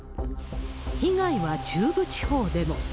被害は中部地方でも。